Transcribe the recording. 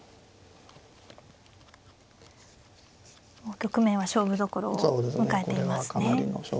局面は勝負どころを迎えていますね。